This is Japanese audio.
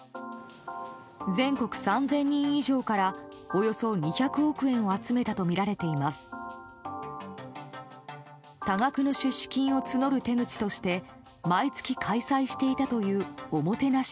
全国３０００人以上からおよそ２００億円を集めたとみられています。